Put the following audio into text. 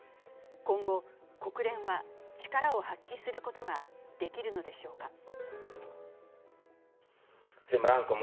今後、国連は力を発揮することができるのでしょうか。